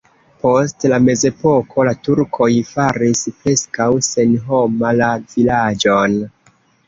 Post la mezepoko la turkoj faris preskaŭ senhoma la vilaĝon.